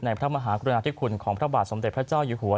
พระมหากรุณาธิคุณของพระบาทสมเด็จพระเจ้าอยู่หัว